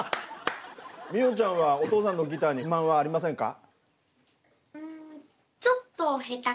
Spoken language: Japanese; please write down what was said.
実音ちゃんはお父さんのギターに不満はありませんか？